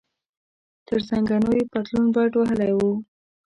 تر زنګنو یې پتلون بډ وهلی و.